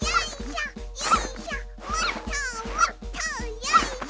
よいしょ！